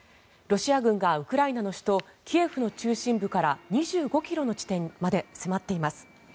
ロシア軍がウクライナの首都キエフの中心部から２５ｋｍの地点まで迫っています。